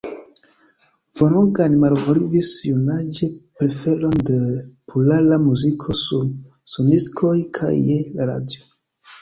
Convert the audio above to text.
Vaughan malvolvis junaĝe preferon de populara muziko sur sondiskoj kaj je la radio.